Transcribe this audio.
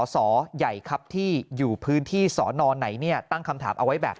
สอใหญ่ครับที่อยู่พื้นที่สอนอไหนเนี่ยตั้งคำถามเอาไว้แบบ